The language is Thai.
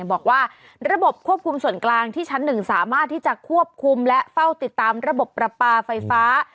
บอกว่าระบบควบคุมส่วนกลางที่ชั้นหนึ่งสามารถที่จะควบคุมและเฝ้าติดตามระบบประปาไฟฟ้า